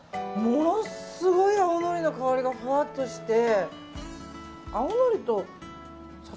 ものすごい青のりの香りがふわっとして。